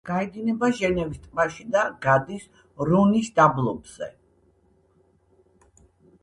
გაედინება ჟენევის ტბაში და გადის რონის დაბლობზე.